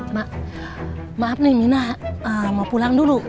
mak maaf nih minah mau pulang dulu